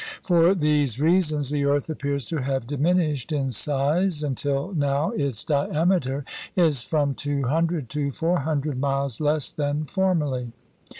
For these reasons the earth appears to have diminished in size until now its diameter is from two hundred to four hundred miles less than formerly.